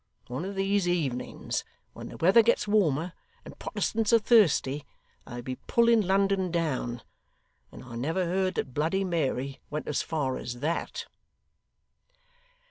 One of these evenings, when the weather gets warmer and Protestants are thirsty, they'll be pulling London down, and I never heard that Bloody Mary went as far as THAT.